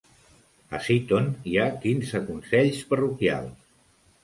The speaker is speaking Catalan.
A Seaton hi ha quinze consells parroquials.